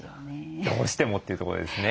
どうしてもっていうとこですね。